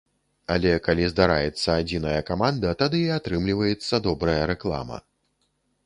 Але калі здараецца адзіная каманда, тады і атрымліваецца добрая рэклама.